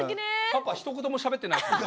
パパひと言もしゃべってなかった。